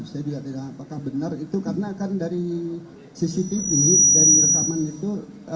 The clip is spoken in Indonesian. saya tidak dengar apakah benar itu karena kan dari cctv dari rekaman itu